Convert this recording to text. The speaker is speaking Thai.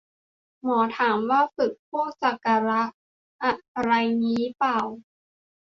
หมอถามว่าฝึกพวกจักระอะไรงี้ป่าว